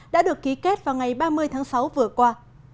đã được ký kết vào ngày ba mươi tháng sáu vừa qua